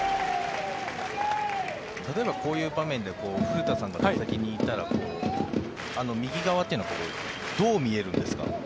例えばこういう場面で古田さんが打席にいたら右側というのはどう見えるんですか？